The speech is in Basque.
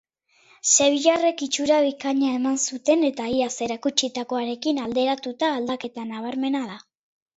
Sevillarrek itxura bikaina eman zuten eta iaz erakutsitakoarekin alderatuta, aldaketa nabarmena da.